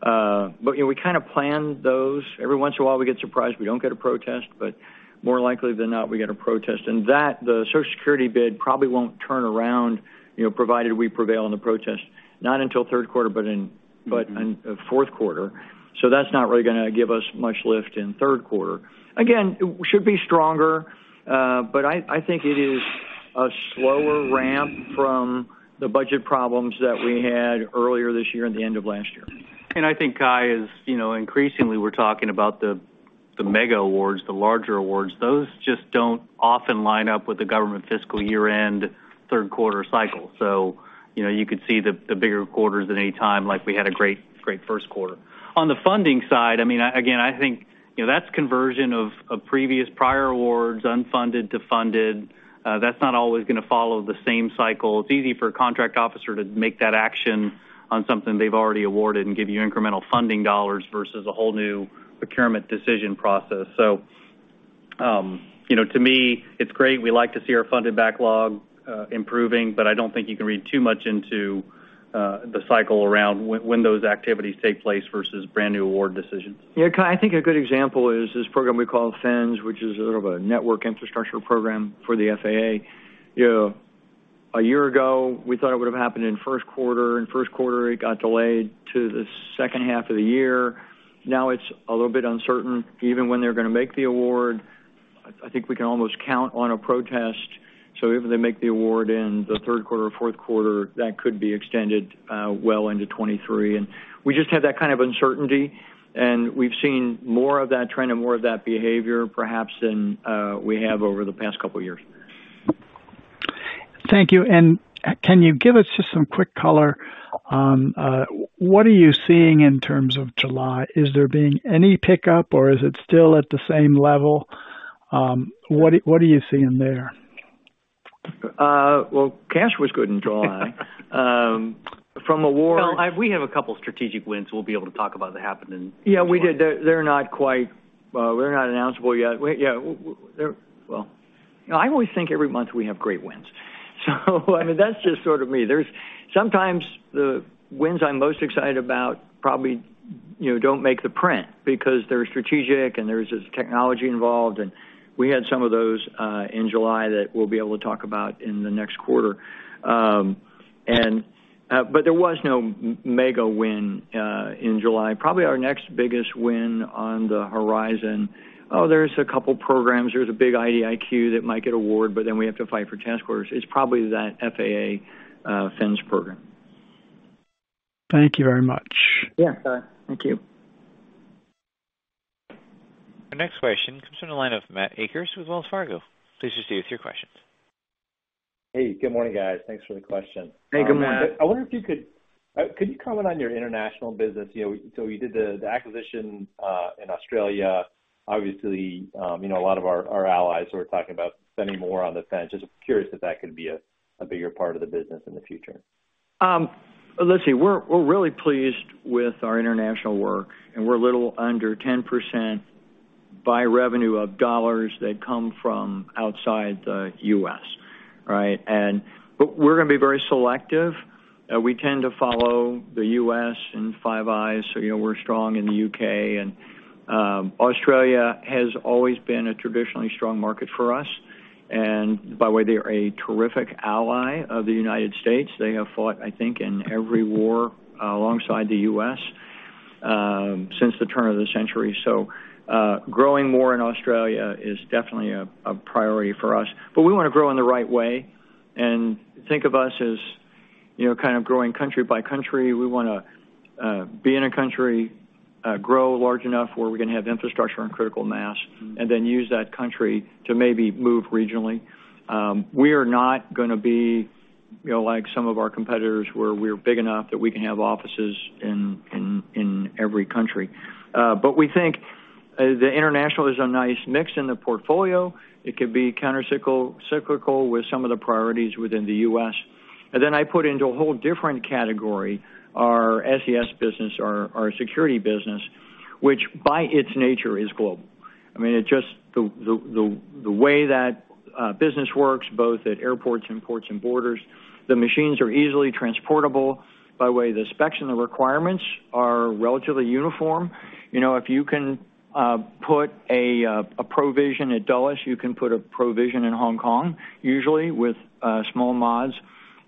You know, we kind of planned those. Every once in a while, we get surprised, we don't get a protest, but more likely than not, we get a protest. The Social Security bid probably won't turn around, you know, provided we prevail on the protest, not until third quarter, but in- Mm-hmm. In fourth quarter. That's not really gonna give us much lift in third quarter. Again, it should be stronger, but I think it is a slower ramp from the budget problems that we had earlier this year and the end of last year. I think, Cai, as you know, increasingly we're talking about the mega awards, the larger awards, those just don't often line up with the government fiscal year-end third quarter cycle. You know, you could see the bigger quarters at any time, like we had a great first quarter. On the funding side, I mean, again, I think, you know, that's conversion of previous prior awards, unfunded to funded. That's not always gonna follow the same cycle. It's easy for a contract officer to make that action on something they've already awarded and give you incremental funding dollars versus a whole new procurement decision process. You know, to me, it's great. We like to see our funded backlog improving, but I don't think you can read too much into the cycle around when those activities take place versus brand-new award decisions. Yeah, Cai, I think a good example is this program we call FENS, which is a sort of a network infrastructure program for the FAA. You know, a year ago, we thought it would have happened in first quarter. In first quarter, it got delayed to the second half of the year. Now it's a little bit uncertain, even when they're gonna make the award. I think we can almost count on a protest. So even if they make the award in the third quarter or fourth quarter, that could be extended, well into 2023. We just have that kind of uncertainty, and we've seen more of that trend and more of that behavior, perhaps than we have over the past couple of years. Thank you. Can you give us just some quick color on what are you seeing in terms of July? Is there being any pickup or is it still at the same level? What are you seeing there? Well, cash was good in July. From awards. Well, we have a couple strategic wins we'll be able to talk about that happened in. Yeah, we did. They're not quite announceable yet. Yeah, I always think every month we have great wins. I mean, that's just sort of me. Sometimes the wins I'm most excited about probably, you know, don't make the print because they're strategic and there's technology involved. We had some of those in July that we'll be able to talk about in the next quarter. There was no mega win in July. Probably our next biggest win on the horizon. There's a couple programs. There's a big IDIQ that might get awarded, but then we have to fight for task orders. It's probably that FAA FENS program. Thank you very much. Yeah. Thank you. Our next question comes from the line of Matt Akers with Wells Fargo. Please proceed with your questions. Hey, good morning, guys. Thanks for the question. Hey, good morning. I wonder if you could comment on your international business? You know, you did the acquisition in Australia. Obviously, you know, a lot of our allies are talking about spending more on the defense. Just curious if that could be a bigger part of the business in the future. Let's see. We're really pleased with our international work, and we're a little under 10% by revenue of dollars that come from outside the U.S., right? We're gonna be very selective. We tend to follow the U.S. and Five Eyes. You know, we're strong in the U.K. Australia has always been a traditionally strong market for us. By the way, they're a terrific ally of the United States. They have fought, I think, in every war alongside the U.S. since the turn of the century. Growing more in Australia is definitely a priority for us. We wanna grow in the right way and think of us as, you know, kind of growing country by country. We wanna be in a country grow large enough where we're gonna have infrastructure and critical mass, and then use that country to maybe move regionally. We are not gonna be, you know, like some of our competitors, where we're big enough that we can have offices in every country. We think the international is a nice mix in the portfolio. It could be countercyclical with some of the priorities within the US. I put into a whole different category our SES business, our security business, which by its nature is global. I mean, it's just the way that business works, both at airports and ports and borders, the machines are easily transportable. By the way, the specs and the requirements are relatively uniform. You know, if you can put a Pro:Vision at Dulles, you can put a Pro:Vision in Hong Kong, usually with small mods.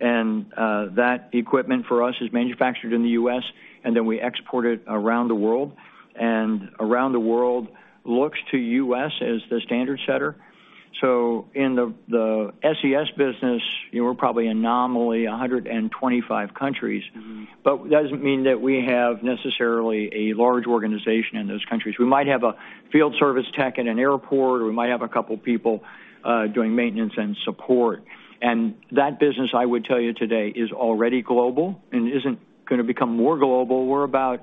That equipment for us is manufactured in the U.S., and then we export it around the world. Around the world looks to the U.S. as the standard setter. In the SES business, you know, we're probably in nearly 125 countries. Mm-hmm. It doesn't mean that we have necessarily a large organization in those countries. We might have a field service tech in an airport, or we might have a couple people doing maintenance and support. That business, I would tell you today, is already global and isn't gonna become more global. We're about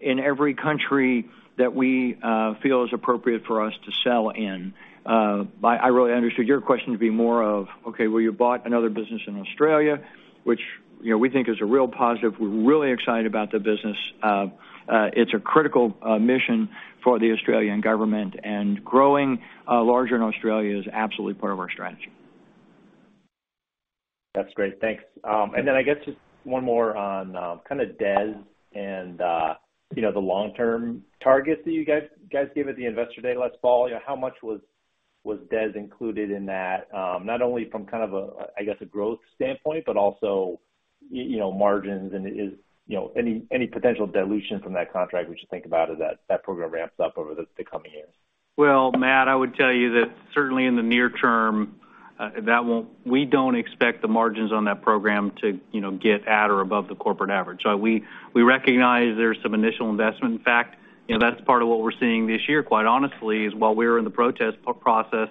in every country that we feel is appropriate for us to sell in. I really understood your question to be more of, okay, well, you bought another business in Australia, which, you know, we think is a real positive. We're really excited about the business. It's a critical mission for the Australian government, and growing larger in Australia is absolutely part of our strategy. That's great. Thanks. I guess just one more on kinda DES and you know the long-term targets that you guys gave at the Investor Day last fall. You know how much was DES included in that not only from kind of a I guess a growth standpoint but also you know margins and is you know any potential dilution from that contract we should think about as that program ramps up over the coming years? Well, Matt, I would tell you that certainly in the near term, we don't expect the margins on that program to, you know, get at or above the corporate average. We recognize there's some initial investment. In fact, you know, that's part of what we're seeing this year, quite honestly, is while we're in the protest process,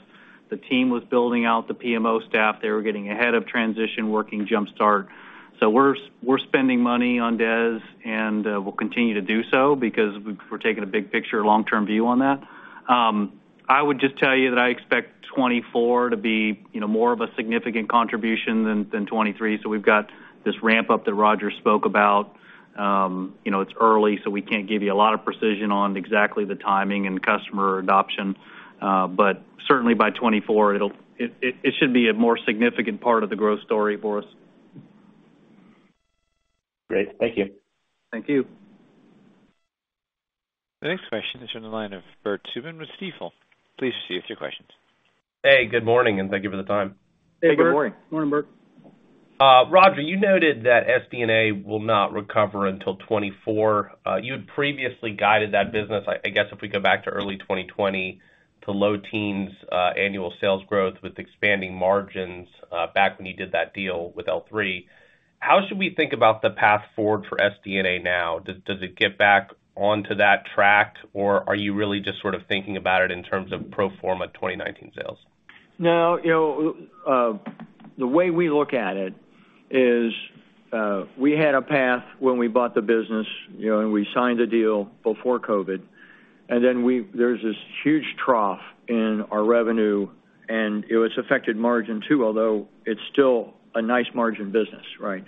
the team was building out the PMO staff. They were getting ahead of transition working jumpstart. We're spending money on DES, and we'll continue to do so because we're taking a big picture, long-term view on that. I would just tell you that I expect 2024 to be, you know, more of a significant contribution than 2023. We've got this ramp-up that Roger spoke about. You know, it's early, so we can't give you a lot of precision on exactly the timing and customer adoption. Certainly by 2024, it should be a more significant part of the growth story for us. Great. Thank you. Thank you. The next question is from the line of Bert Subin with Stifel. Please proceed with your questions. Hey, good morning, and thank you for the time. Hey, Bert. Good morning. Morning, Bert. Roger, you noted that SD&A will not recover until 2024. You had previously guided that business, I guess if we go back to early 2020, to low teens annual sales growth with expanding margins, back when you did that deal with L3. How should we think about the path forward for SD&A now? Does it get back onto that track, or are you really just sort of thinking about it in terms of pro forma 2019 sales? No. You know, the way we look at it is, we had a path when we bought the business, you know, and we signed a deal before COVID. Then there's this huge trough in our revenue, and it has affected margin, too, although it's still a nice margin business, right?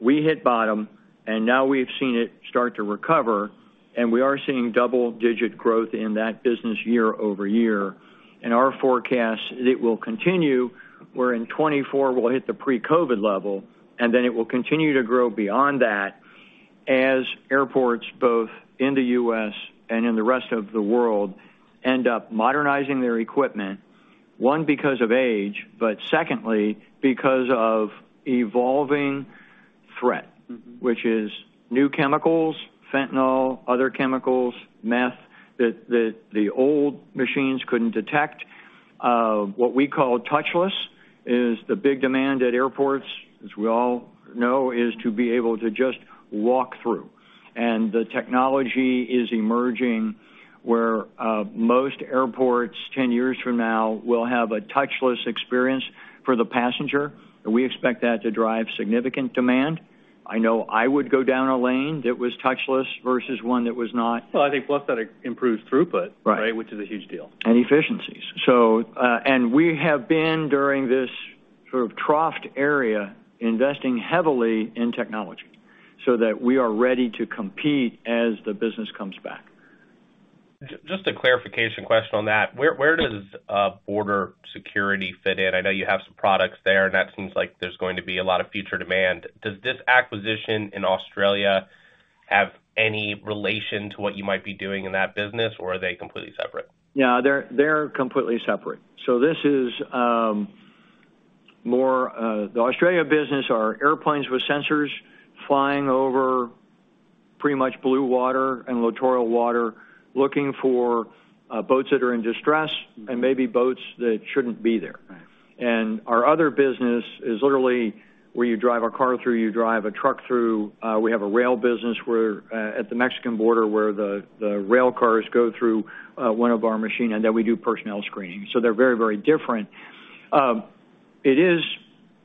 We hit bottom, and now we've seen it start to recover, and we are seeing double-digit growth in that business year-over-year. Our forecast is it will continue, where in 2024 we'll hit the pre-COVID level, and then it will continue to grow beyond that as airports, both in the U.S. and in the rest of the world, end up modernizing their equipment, one, because of age, but secondly, because of evolving threat. Mm-hmm. Which is new chemicals, fentanyl, other chemicals, meth, that the old machines couldn't detect. What we call touchless is the big demand at airports, as we all know, is to be able to just walk through. The technology is emerging where most airports ten years from now will have a touchless experience for the passenger, and we expect that to drive significant demand. I know I would go down a lane that was touchless versus one that was not. Well, I think plus that improves throughput. Right. Right? Which is a huge deal. Efficiencies. We have been, during this sort of troughed area, investing heavily in technology so that we are ready to compete as the business comes back. Just a clarification question on that. Where does border security fit in? I know you have some products there, and that seems like there's going to be a lot of future demand. Does this acquisition in Australia have any relation to what you might be doing in that business, or are they completely separate? No, they're completely separate. This is more the Australia business are airplanes with sensors flying over pretty much blue water and littoral water, looking for boats that are in distress. Mm-hmm. Maybe boats that shouldn't be there. Right. Our other business is literally where you drive a car through, you drive a truck through. We have a rail business where, at the Mexican border, where the rail cars go through one of our machine, and then we do personnel screening. They're very, very different. It is,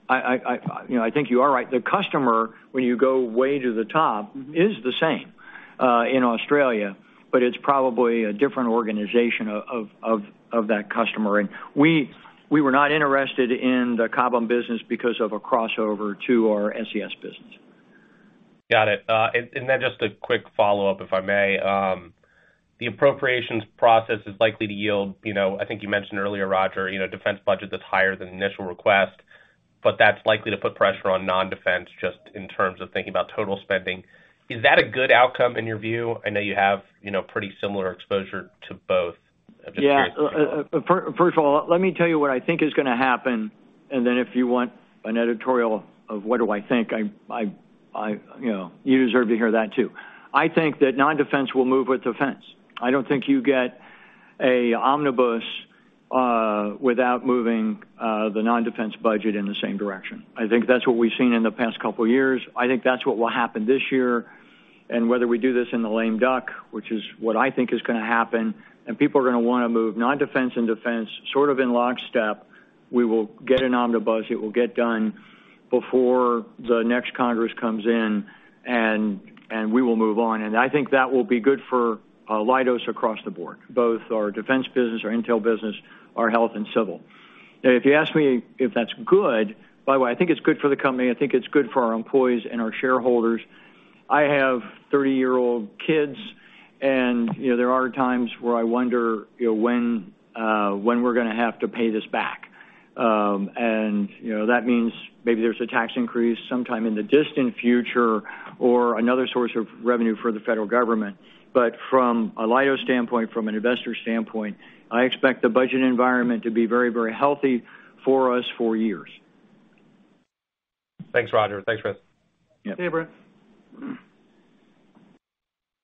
you know, I think you are right. The customer, when you go way to the top, is the same in Australia, but it's probably a different organization of that customer. We were not interested in the Cobham business because of a crossover to our SES business. Got it. Just a quick follow-up, if I may. The appropriations process is likely to yield, you know, I think you mentioned earlier, Roger, you know, defense budget that's higher than the initial request, but that's likely to put pressure on non-defense, just in terms of thinking about total spending. Is that a good outcome in your view? I know you have, you know, pretty similar exposure to both. I'm just curious. Yeah. First of all, let me tell you what I think is gonna happen. If you want an editorial of what do I think, I you know, you deserve to hear that too. I think that non-defense will move with defense. I don't think you get an omnibus without moving the non-defense budget in the same direction. I think that's what we've seen in the past couple years. I think that's what will happen this year. Whether we do this in the lame duck, which is what I think is gonna happen, and people are gonna wanna move non-defense and defense sort of in lockstep. We will get an omnibus. It will get done before the next Congress comes in, and we will move on. I think that will be good for Leidos across the board, both our defense business, our intel business, our health and civil. Now, if you ask me if that's good, by the way, I think it's good for the company. I think it's good for our employees and our shareholders. I have 30-year-old kids, and, you know, there are times where I wonder, you know, when we're gonna have to pay this back. And, you know, that means maybe there's a tax increase sometime in the distant future or another source of revenue for the federal government. But from a Leidos standpoint, from an investor standpoint, I expect the budget environment to be very, very healthy for us for years. Thanks, Roger. Thanks, Chris. Yep. Okay, Bert.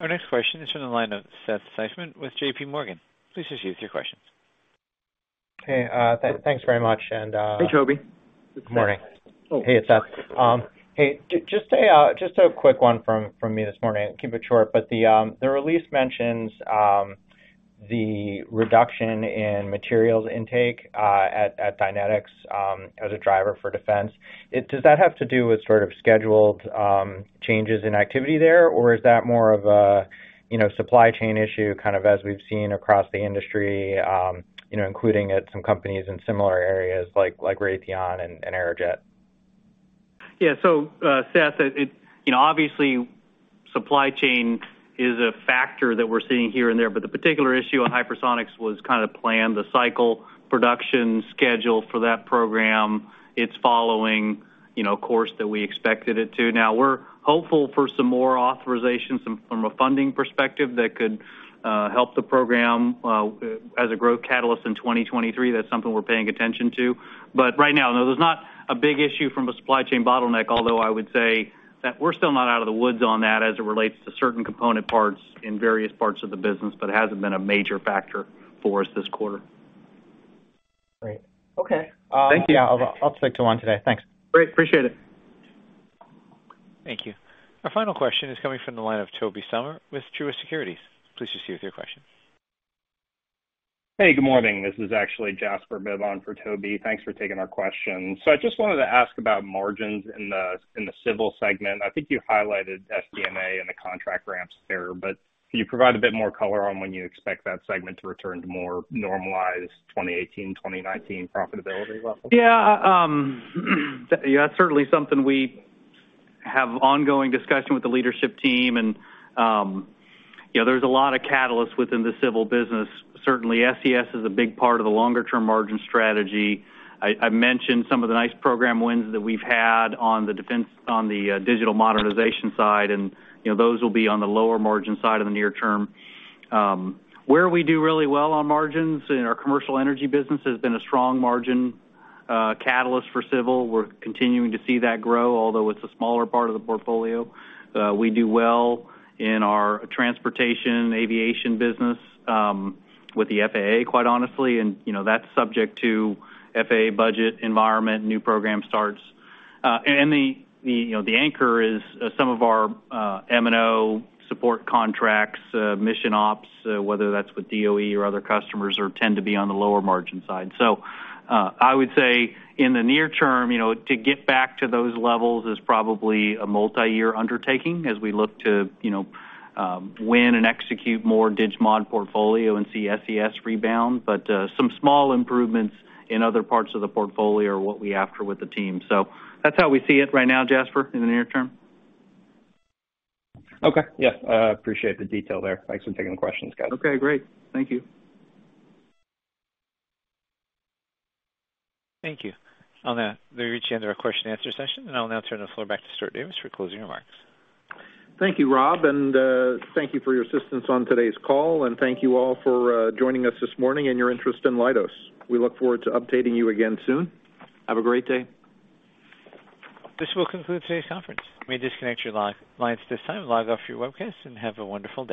Our next question is from the line of Seth Seifman with JPMorgan. Please proceed with your question. Hey, thanks very much and. Hey, Tobey. Good morning. Hey, it's Seth. Just a quick one from me this morning. Keep it short, but the release mentions the reduction in materials intake at Dynetics as a driver for defense. Does that have to do with sort of scheduled changes in activity there, or is that more of a you know supply chain issue kind of as we've seen across the industry you know including at some companies in similar areas like Raytheon and Aerojet? Yeah, Seth, it you know, obviously, supply chain is a factor that we're seeing here and there, but the particular issue on hypersonics was kind of planned. The cycle production schedule for that program, it's following you know, a course that we expected it to. Now, we're hopeful for some more authorizations from a funding perspective that could help the program as a growth catalyst in 2023. That's something we're paying attention to. Right now, no, there's not a big issue from a supply chain bottleneck, although I would say that we're still not out of the woods on that as it relates to certain component parts in various parts of the business, but it hasn't been a major factor for us this quarter. Great. Okay. Thank you. Yeah. I'll speak to one today. Thanks. Great. Appreciate it. Thank you. Our final question is coming from the line of Tobey Sommer with Truist Securities. Please proceed with your question. Hey, good morning. This is actually Jasper Bibb for Tobey. Thanks for taking our question. I just wanted to ask about margins in the civil segment. I think you highlighted SD&A and the contract ramps there, but can you provide a bit more color on when you expect that segment to return to more normalized 2018, 2019 profitability levels? Yeah. Yeah, that's certainly something we have ongoing discussion with the leadership team and, you know, there's a lot of catalysts within the civil business. Certainly, SES is a big part of the longer term margin strategy. I've mentioned some of the nice program wins that we've had on the digital modernization side and, you know, those will be on the lower margin side in the near term. Where we do really well on margins in our commercial energy business has been a strong margin catalyst for civil. We're continuing to see that grow, although it's a smaller part of the portfolio. We do well in our transportation aviation business with the FAA, quite honestly, and, you know, that's subject to FAA budget environment, new program starts. The, you know, the anchor is some of our M&O support contracts, mission ops, whether that's with DOE or other customers or tend to be on the lower margin side. I would say in the near term, you know, to get back to those levels is probably a multi-year undertaking as we look to, you know, win and execute more DigMod portfolio and see SES rebound. Some small improvements in other parts of the portfolio are what we're after with the team. That's how we see it right now, Jasper, in the near term. Okay. Yeah. Appreciate the detail there. Thanks for taking the questions, guys. Okay. Great. Thank you. Thank you. On that, we've reached the end of our question and answer session, and I'll now turn the floor back to Stuart Davis for closing remarks. Thank you, Rob, and thank you for your assistance on today's call, and thank you all for joining us this morning and your interest in Leidos. We look forward to updating you again soon. Have a great day. This will conclude today's conference. You may disconnect your lines this time, log off your webcast, and have a wonderful day.